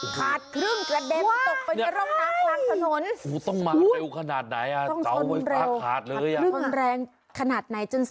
ขาดครึ่งกระเด็นตกไปในร่องน้ำกลางถนน